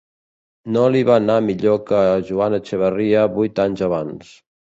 No li va anar millor que a Juan Echavarria vuit anys abans.